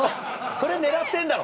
それ狙ってんだろ？